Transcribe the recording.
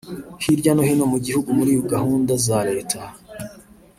hirya no hino mu gihugu muri gahunda za Leta